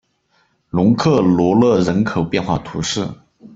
龙克罗勒人口变化图示